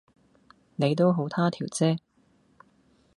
你都好他條即